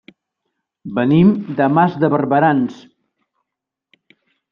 Venim de Mas de Barberans.